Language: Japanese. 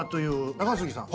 高杉さん